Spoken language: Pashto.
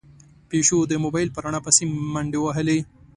پيشو د موبايل په رڼا پسې منډې وهلې.